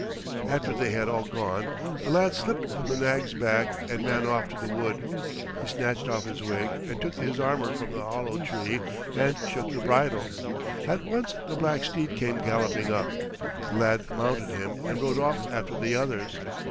After they had all gone the lad slipped from the nag's back and ran off to the wood. He snatched off his wig and took his armor from the hollow tree and shook the bridle. At once the black steed came galloping up. The lad mounted him and rode off after the others.